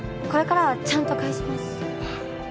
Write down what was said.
これからはちゃんと返します。